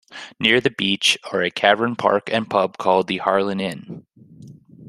Near the beach are a caravan park and a pub called The Harlyn Inn.